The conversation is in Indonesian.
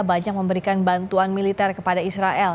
banyak memberikan bantuan militer kepada israel